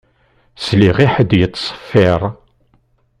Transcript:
Sliɣ i ḥedd yettṣeffiṛ